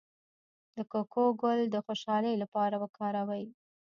د کوکو ګل د خوشحالۍ لپاره وکاروئ